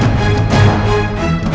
aku sudah berhenti